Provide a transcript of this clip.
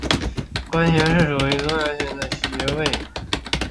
髀关穴是属于足阳明胃经的腧穴。